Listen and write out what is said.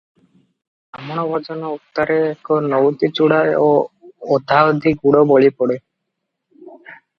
ବାହ୍ମଣ ଭୋଜନ ଉତ୍ତାରେ ଏକ ନଉତି ଚୂଡ଼ା ଓ ଅଧାଅଧି ଗୁଡ଼ ବଳି ପଡ଼େ